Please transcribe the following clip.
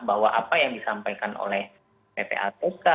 bahwa apa yang disampaikan oleh ppatk